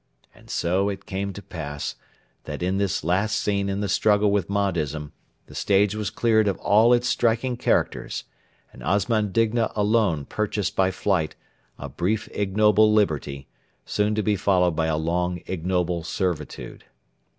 And so it came to pass that in this last scene in the struggle with Mahdism the stage was cleared of all its striking characters, and Osman Digna alone purchased by flight a brief ignoble liberty, soon to be followed by a long ignoble servitude.